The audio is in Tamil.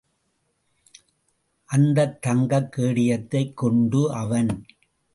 அந்தத் தங்கக் கேடயத்தைக் கொண்டு அவன்.